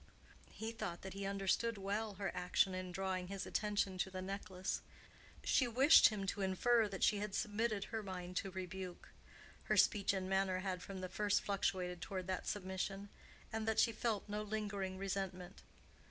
He thought that he understood well her action in drawing his attention to the necklace: she wished him to infer that she had submitted her mind to rebuke—her speech and manner had from the first fluctuated toward that submission—and that she felt no lingering resentment.